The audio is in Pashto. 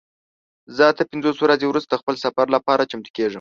زه اته پنځوس ورځې وروسته د خپل سفر لپاره چمتو کیږم.